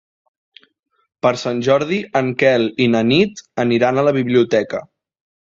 Per Sant Jordi en Quel i na Nit aniran a la biblioteca.